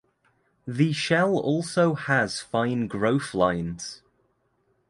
The shell also has fine growth lines.